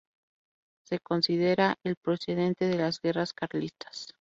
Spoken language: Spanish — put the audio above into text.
Se considera el precedente de las guerras carlistas.